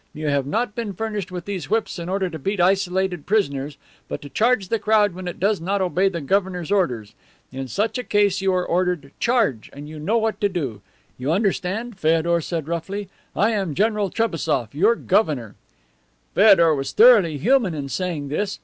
You have not been furnished with these whips in order to beat isolated prisoners, but to charge the crowd when it does not obey the governor's orders. In such a case you are ordered "Charge," and you know what to do. You understand?' Feodor said roughly. 'I am General Trebassof, your governor.' "Feodor was thoroughly human in saying this.